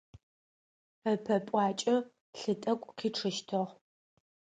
Ыпэ пӏуакӏэ лъы тӏэкӏу къичъыщтыгъ.